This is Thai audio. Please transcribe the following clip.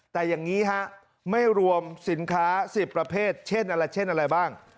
แต่อย่างนี้ฮะไม่รวมสินค้า๑๐ประเภทเช่นอะไรเช่นอะไรบ้าง